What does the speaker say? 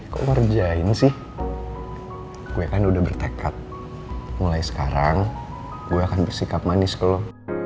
kok ngerjain sih gue kan udah bertekad mulai sekarang gue akan bersikap manis kalau